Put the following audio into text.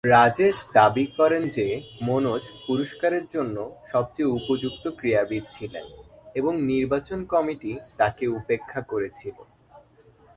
রাজেশ দাবি করেন যে মনোজ পুরস্কারের জন্য সবচেয়ে উপযুক্ত ক্রীড়াবিদ ছিলেন এবং নির্বাচন কমিটি তাকে উপেক্ষা করেছিল।